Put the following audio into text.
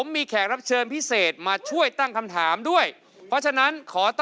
ไม่ใช่ตั้งแต่สวท